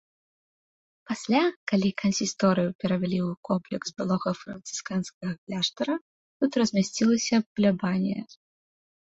Пасля, калі кансісторыю перавялі ў комплекс былога францысканскага кляштара, тут размясцілася плябанія.